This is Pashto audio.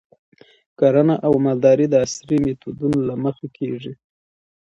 کرنه او مالداري د عصري میتودونو له مخې کیږي.